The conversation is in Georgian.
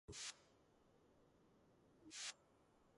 ხახუნის ძალა პირდაპირპროპორციულია